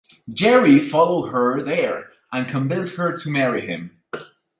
Jerry follows her there and convinces her to marry him.